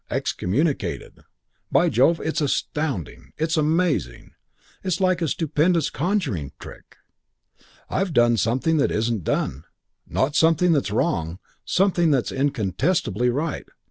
'Excommunicated. By Jove, it's astounding. It's amazing. It's like a stupendous conjuring trick. I've done something that isn't done not something that's wrong, something that's incontestably right.